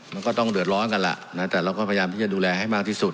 มันก็ต้องเดือดร้อนกันล่ะนะแต่เราก็พยายามที่จะดูแลให้มากที่สุด